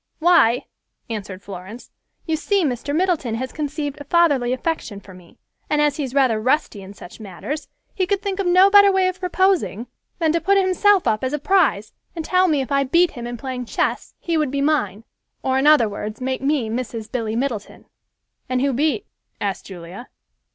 "Why," answered Florence, "you see, Mr. Middleton has conceived a fatherly affection for me, and as he is rather rusty in such matters, he could think of no better way of proposing than to put himself up as a prize, and tell me if I beat him in playing chess, he would be mine, or in other words, make me Mrs. Billy Middleton." "And who beat?" asked Julia.